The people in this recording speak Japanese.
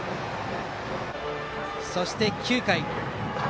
そして９回。